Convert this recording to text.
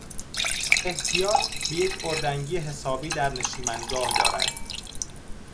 احتیاج به یک اردنگی حسابی در نشیمنگاه دارد!